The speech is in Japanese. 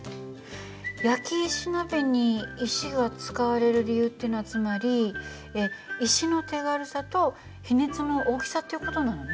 焼き石鍋に石が使われる理由っていうのはつまり石の手軽さと比熱の大きさっていう事なのね。